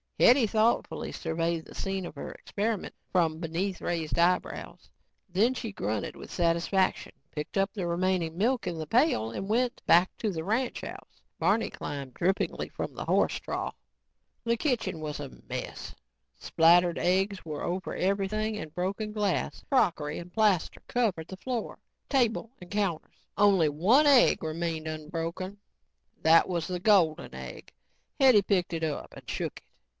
Hetty thoughtfully surveyed the scene of her experiment from beneath raised eyebrows. Then she grunted with satisfaction, picked up the remaining milk in the pail and went back to the ranch house. Barney climbed drippingly from the horse trough. The kitchen was a mess. Splattered eggs were over everything and broken glass, crockery and plaster covered the floor, table and counters. Only one egg remained unbroken. That was the golden egg. Hetty picked it up and shook it.